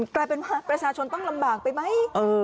กลายเป็นว่าประชาชนต้องลำบากไปไหม